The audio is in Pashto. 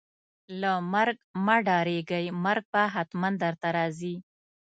له مرګ مه ډاریږئ ، مرګ به ختمن درته راځي